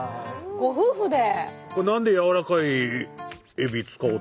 ご夫婦で。